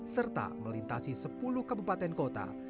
serta melintasi sepuluh kabupaten kota